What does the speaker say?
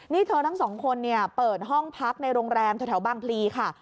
นี่เธอทั้งสองคนเนี่ยเปิดห้องพักในโรงแรมแถวบางพลีค่ะ